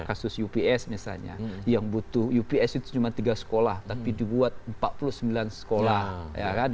kasus ups misalnya yang butuh ups itu cuma tiga sekolah tapi dibuat empat puluh sembilan sekolah ya kan